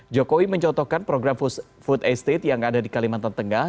jokowi mencotokkan program food estate yang ada di kalimantan tengah